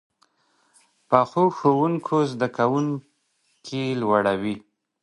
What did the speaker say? پخو ښوونکو زده کوونکي لوړوي